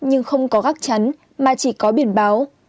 nhưng không có gác chắn mà chỉ có biển báo